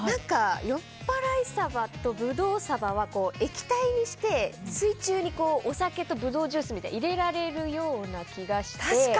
よっぱらいサバとぶどうサバは液体にして、水中にお酒とブドウジュースみたいに入れられるような気がして。